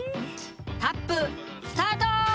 タップスタート！」。